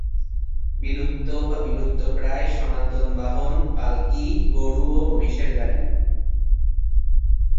বিলুপ্ত বা বিলুপ্তপ্রায় সনাতন বাহন পালকি, গরু ও মহিষের গাড়ি।